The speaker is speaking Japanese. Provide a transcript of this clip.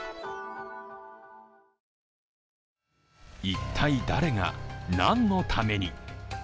一体、誰が、何のために？